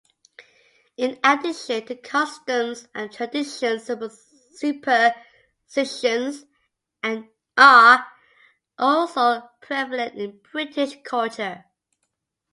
In addition to customs and traditions, superstitions are also prevalent in British culture.